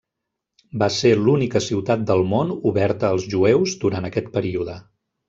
Va ser l'única ciutat del món oberta als jueus durant aquest període.